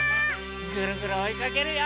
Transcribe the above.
ぐるぐるおいかけるよ！